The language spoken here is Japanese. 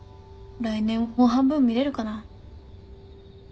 来年もう半分見れるかな？